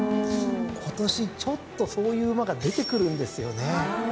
今年ちょっとそういう馬が出てくるんですよね。